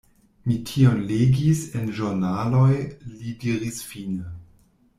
Mi tion legis en ĵurnaloj, li diris fine.